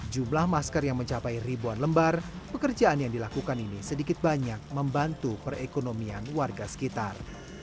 jumlah masker yang mencapai ribuan lembar pekerjaan yang dilakukan ini sedikit banyak membantu perekonomian warga sekitar